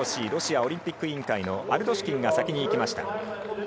ＲＯＣ・ロシアオリンピック委員会のアルドシュキンが先に行きました。